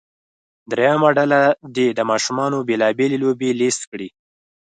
دریمه ډله دې د ماشومانو بیلا بېلې لوبې لیست کړي.